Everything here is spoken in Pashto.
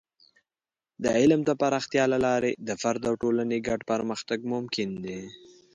د علم د پراختیا له لارې د فرد او ټولنې ګډ پرمختګ ممکن دی.